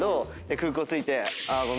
空港着いて。